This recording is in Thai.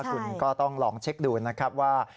คุณก็ต้องลองเช็คดูนะครับว่า